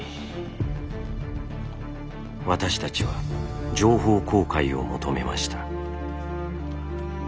私たちは情報公開を求めました。